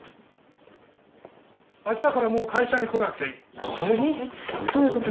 あしたからもう会社に来なくていい。